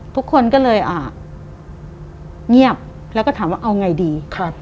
ทุกคนก็เลยเงียบแล้วก็ถามว่าเอาไงดี